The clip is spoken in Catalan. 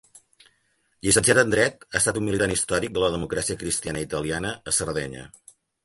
Llicenciat en dret, ha estat un militant històric de la Democràcia Cristiana Italiana a Sardenya.